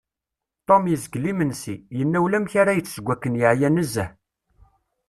Tom yezgel imensi, yenna ulamek ara yečč seg akken yeεya nezzeh.